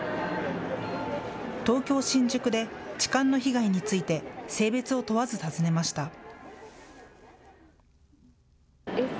東京・新宿で痴漢の被害について性別を問わず尋ねました。